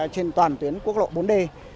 trên toàn tuyến quốc lộ bốn d